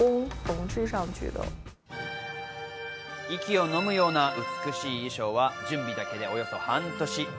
息を飲むような美しい衣装は準備だけでおよそ半年。